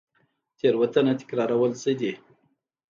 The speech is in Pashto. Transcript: تیروتنه تکرارول څه دي؟